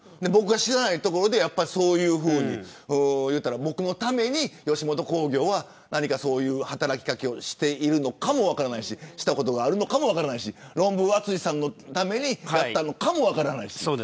知らないところでそういうふうに僕のために吉本興業は何か働き掛けをしているのかも分からないししたことがあるのかも分からないしロンブー淳さんのためにやったのかも分からないし。